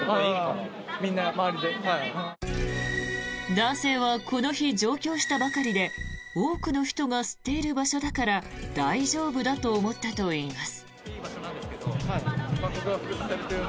男性はこの日上京したばかりで多くの人が吸っている場所だから大丈夫だと思ったといいます。